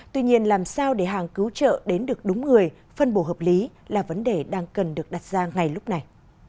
tuy nhiên làm sao để hàng cứu trợ đến được đúng người phân bổ hợp lý là vấn đề đang cần được đặt ra ngay lúc này